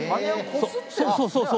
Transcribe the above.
そうそうそうそう。